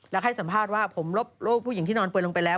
และให้สัมภาษณ์ว่าผมลบรูปผู้หญิงที่นอนเปลือยลงไปแล้ว